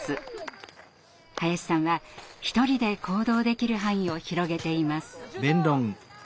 林さんは一人で行動できる範囲を広げています。